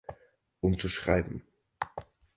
Um zu schreiben.